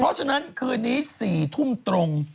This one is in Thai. เพราะฉะนั้นคืนนี้๔ทุ่มตรง